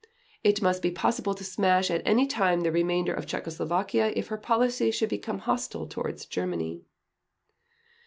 It must be possible to smash at any time the remainder of Czechoslovakia if her policy should become hostile towards Germany."